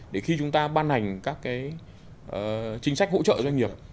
để khi chúng ta ban hành các cái chính sách hỗ trợ doanh nghiệp